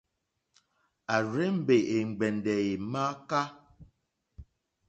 À rzé-mbè è ŋgbɛ̀ndɛ̀ è mááká.